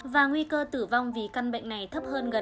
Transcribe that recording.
và nguy cơ tử vong vì căn bệnh này thấp hơn gần năm mươi